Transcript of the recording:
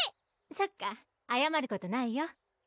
そっかあやまることないよ